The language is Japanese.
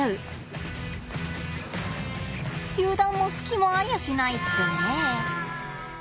油断も隙もありゃしないってね。